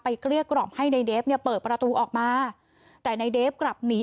เกลี้ยกล่อมให้ในเดฟเนี่ยเปิดประตูออกมาแต่ในเดฟกลับหนี